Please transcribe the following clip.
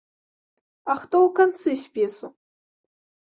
А хто ў канцы спісу?